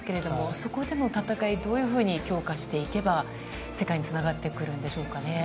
そこでの戦いをどういうふうに強化していけば世界につながってくるんでしょうか？